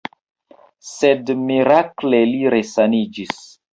Sed mirakle li resaniĝis.